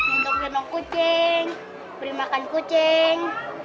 untuk minum kucing beri makan kucing